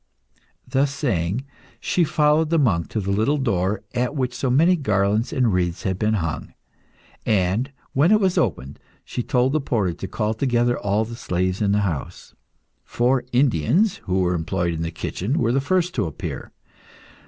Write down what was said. Thus saying, she followed the monk to the little door at which so many garlands and wreaths had been hung, and, when it was opened, she told the porter to call together all the slaves in the house. Four Indians, who were employed in the kitchen, were the first to appear.